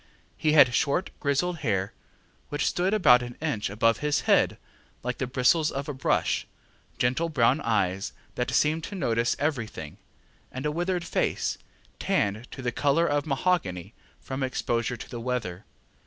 He had short grizzled hair, which stood about an inch above his head like the bristles of a brush, gentle brown eyes, that seemed to notice everything, and a withered face, tanned to the colour of mahogany from exposure to the weather.